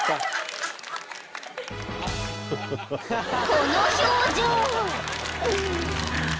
［この表情］